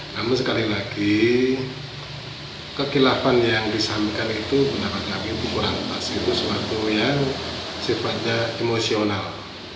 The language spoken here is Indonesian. namun sekali lagi kekilapan yang disampaikan itu menurut kami itu kurang pas itu suatu yang sifatnya emosional